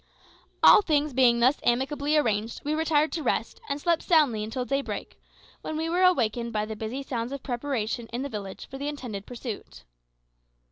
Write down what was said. All things being thus amicably arranged, we retired to rest, and slept soundly until daybreak, when we were awakened by the busy sounds of preparation in the village for the intended pursuit.